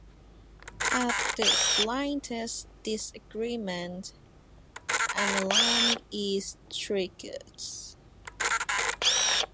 At the slightest disagreement, an alarm is triggered.